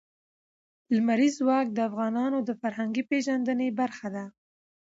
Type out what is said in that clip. لمریز ځواک د افغانانو د فرهنګي پیژندنې برخه ده.